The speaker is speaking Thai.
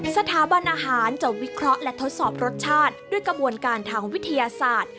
สถาบันอาหารจะวิเคราะห์และทดสอบรสชาติด้วยกระบวนการทางวิทยาศาสตร์